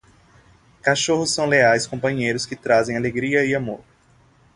Cachorros são leais companheiros que trazem alegria e amor.